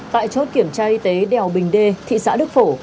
tại chốt kiểm tra y tế đèo bình đê thị xã đức phổ